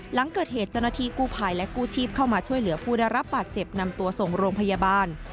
หลังเกิดเหตุเจ้าหน้าที่กู้ภัยและกู้ชีพเข้ามาช่วยเหลือผู้ได้รับบาดเจ็บนำตัวส่งโรงพยาบาล